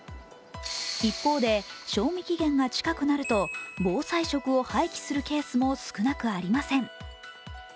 一方で賞味期限が近くなると防災食を廃棄するケースも少なくありません。